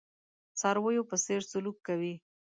څارویو په څېر سلوک کوي.